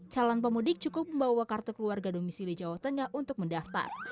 calon pemudik cukup membawa kartu keluarga domisili jawa tengah untuk mendaftar